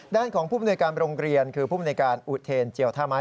ด้านของผู้บริการโรงเรียนคือผู้บริการอุทเทนเจียวท่าไม้